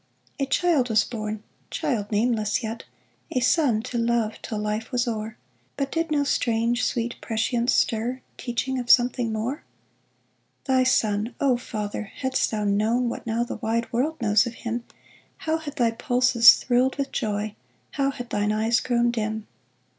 A child was born — child nameless yet ; A son to love till life was o'er ; But did no strange, sweet prescience stir, Teaching of something more ? Thy son ! O father, hadst thou known What now the wide world knows of him, How had thy pulses thrilled with joy, How had thine eye grown dim